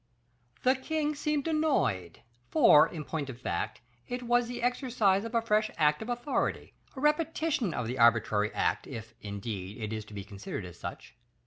"The king seemed annoyed; for, in point of fact, it was the exercise of a fresh act of authority, a repetition of the arbitrary act, if, indeed, it is to be considered as such.